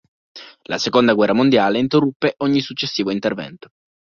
La seconda guerra mondiale interruppe ogni successivo intervento.